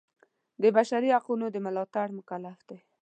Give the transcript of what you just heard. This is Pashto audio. د بشري حقونو د ملاتړ مکلف دی.